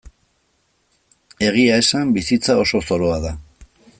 Egia esan, bizitza oso zoroa da.